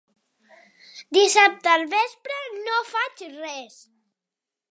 Dissabte al vespre no faig res.